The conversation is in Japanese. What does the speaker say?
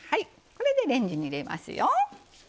これでレンジに入れますよ。